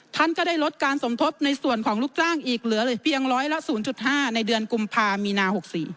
ท่านก็ได้ลดการสมทบในส่วนของลูกจ้างอีกเหลือเพียงร้อยละ๐๕ในเดือนกุมภามีนา๖๔